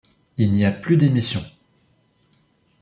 Il n'y a plus d'émission.